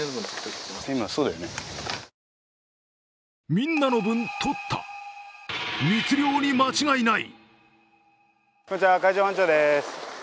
みんなの分とった密漁に間違いない。